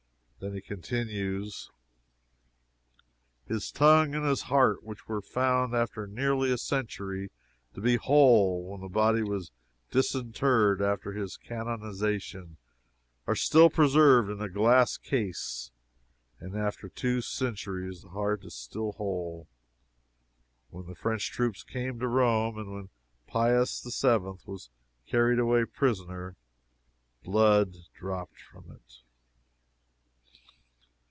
Then he continues: "His tongue and his heart, which were found after nearly a century to be whole, when the body was disinterred before his canonization, are still preserved in a glass case, and after two centuries the heart is still whole. When the French troops came to Rome, and when Pius VII. was carried away prisoner, blood dropped from it."